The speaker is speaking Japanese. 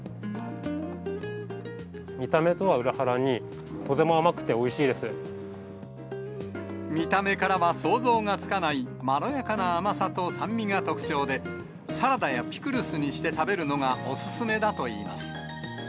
見た目とは裏腹に、とても甘見た目からは想像がつかない、まろやかな甘さと酸味が特徴で、サラダやピクルスにして食べるのがお勧めだといいます。